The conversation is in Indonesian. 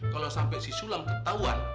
kalo sampe si sulam ketahuan